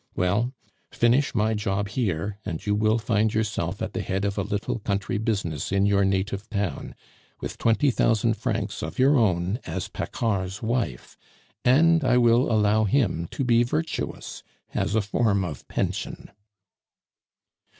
Well, finish my job here, and you will find yourself at the head of a little country business in your native town, with twenty thousand francs of your own as Paccard's wife, and I will allow him to be virtuous as a form of pension."